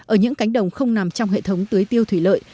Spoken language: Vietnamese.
ở những cánh đồng không nằm trong hệ thống tưới tiêu thủy lợi